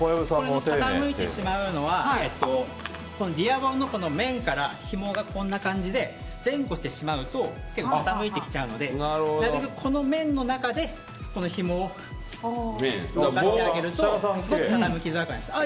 傾いてしまうのはディアボロの面からひもが前後してしまうと傾いてきちゃうのでなるべく、この面の中でこのひもを動かしてあげると傾きづらくなります。